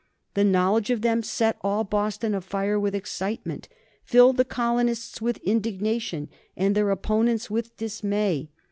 The knowledge of them set all Boston afire with excitement, filling the colonists with indignation and their opponents with dismay.